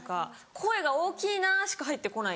声が大きいなしか入ってこない。